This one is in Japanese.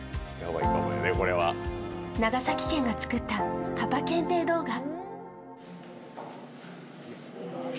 長崎県が作ったパパ検定動画。